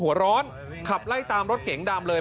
หัวร้อนขับไล่ตามรถเก๋งดำเลย